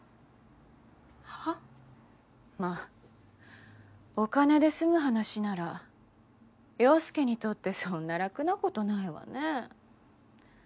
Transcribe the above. まお金で済む話なら陽佑にとってそんな楽なことないわね。